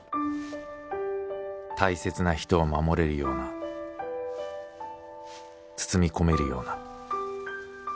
大切な人を守れるような包み込めるような。